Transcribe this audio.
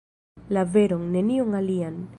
La veron, nenion alian.